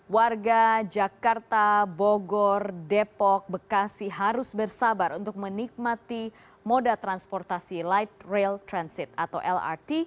warga jakarta bogor depok bekasi harus bersabar untuk menikmati moda transportasi light rail transit atau lrt